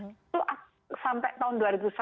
itu sampai tahun dua ribu satu